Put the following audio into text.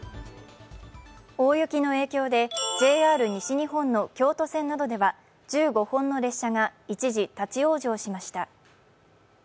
大雪の影響でＪＲ西日本の京都線などでは１５本の列車が一時、立ち往生しました。